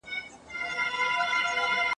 ژورنالستان د خلکو استازي دي.